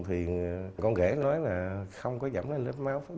thì con ghế nói là không có giảm lên các cái vết máu